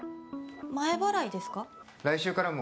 前払いですか？